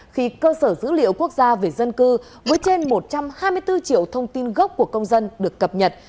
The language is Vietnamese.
khi cơ sở dữ liệu quốc gia về dân cư với trên một trăm hai mươi bốn triệu thông tin gốc của công dân được cập nhật